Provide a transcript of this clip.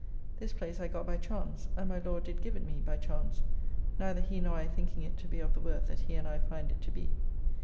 This place I got by chance, and my Lord did give it me by chance, neither he nor I thinking it to be of the worth that he and I find it to be.